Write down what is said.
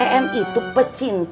emi tuh pecinta